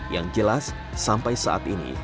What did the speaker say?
yang jelas sampai saat ini